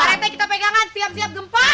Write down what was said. pak rete kita pegangan siap siap gempa